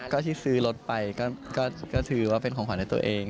ก็ที่ซื้อรถไปก็ถือว่าเป็นของขวัญในตัวเอง